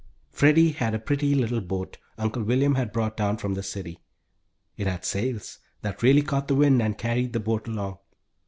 Freddie had a pretty little boat Uncle William had brought down from the city. It had sails, that really caught the wind, and carried the boat along.